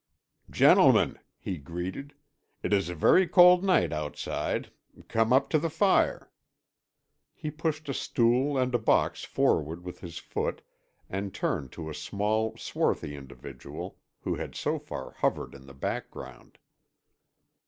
"Gentlemen," he greeted, "it is a very cold night outside. Come up to the fire." He pushed a stool and a box forward with his foot and turned to a small, swarthy individual who had so far hovered in the background.